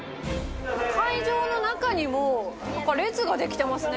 会場の中にも、なんか列が出来てますね。